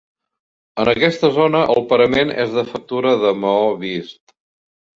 En aquesta zona el parament és de factura de maó vist.